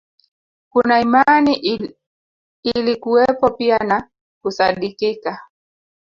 Kuna imani ilikuwepo pia na kusadikika